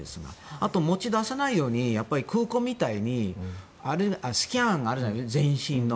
あと、持ち出さないように空港みたいにスキャンがあるじゃないですか全身の。